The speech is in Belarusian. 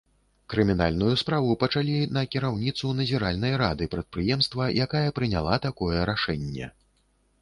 Крымінальную справу пачалі на кіраўніцу назіральнай рады прадпрыемства, якая прыняла такое рашэнне.